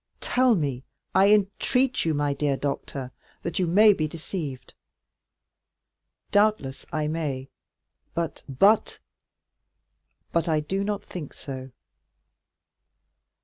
Tell me, I entreat you, my dear doctor, that you may be deceived." "Doubtless I may, but——" "But?" 30345m "But I do not think so."